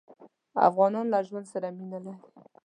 افغانان له ژوند سره مينه لري.